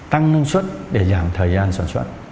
tăng năng suất để giảm thời gian sản xuất